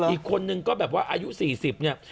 อีกคนนึงก็แบบว่าอายุ๔๐เนี่ย